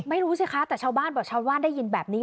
ไม่รู้สิคะแต่ชาวบ้านบอกชาวบ้านได้ยินแบบนี้